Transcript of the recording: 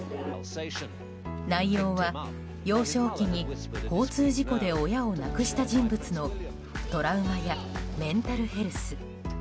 内容は幼少期に交通事故で親を亡くした人物のトラウマやメンタルヘルス。